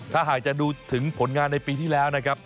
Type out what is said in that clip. ถ้าหากจะดูถึงผลงานในปีที่แล้วนะครับ